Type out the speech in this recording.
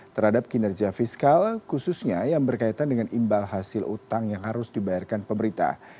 terhadap kinerja fiskal khususnya yang berkaitan dengan imbal hasil utang yang harus dibayarkan pemerintah